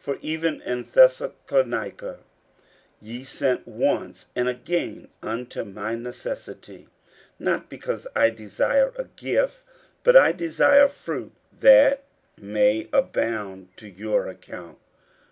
50:004:016 For even in Thessalonica ye sent once and again unto my necessity. 50:004:017 Not because I desire a gift: but I desire fruit that may abound to your account.